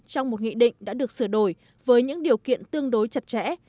trong một nghị định đã được sửa đổi với những điều kiện tương đối chặt chẽ